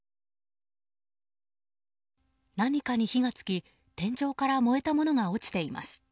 何かに火が付き、天井から燃えたものが落ちています。